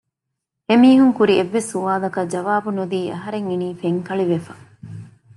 އެމީހުން ކުރި އެއްވެސް ސުވާލަކަށް ޖަވާބެއް ނުދީ އަހަރެން އިނީ ފެންކަޅިވެފަ